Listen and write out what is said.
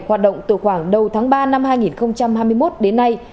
hoạt động từ khoảng đầu tháng ba năm hai nghìn hai mươi một đến nay